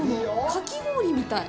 かき氷みたい！